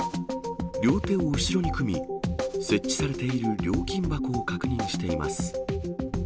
両手を後ろに組み、設置されている料金箱を確認しています。